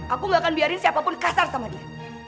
aku gak akan biarin siapapun kasar sama dia